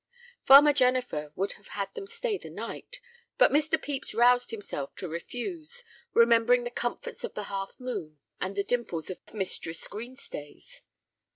Farmer Jennifer would have had them stay the night, but Mr. Pepys roused himself to refuse, remembering the comforts of "The Half Moon" and the dimples of Mistress Green Stays.